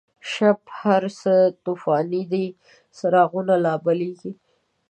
شپه که هرڅه توفانیده، څراغونه لابلیږی